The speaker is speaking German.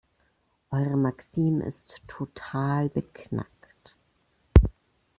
Eure Maxime ist total beknackt.